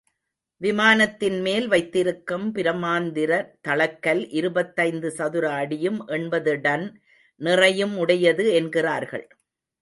விமானத்தின் மேல் வைத்திருக்கும் பிரமாந்திர தளக் கல் இருபத்தைந்து சதுர அடியும், எண்பது டன் நிறையும் உடையது என்கிறார்கள்.